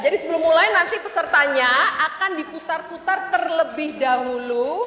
jadi sebelum mulai nanti pesertanya akan diputar putar terlebih dahulu